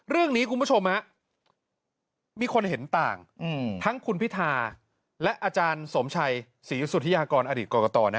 คุณผู้ชมมีคนเห็นต่างทั้งคุณพิธาและอาจารย์สมชัยศรีสุธิยากรอดีตกรกตนะ